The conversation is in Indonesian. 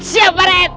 siap pak rt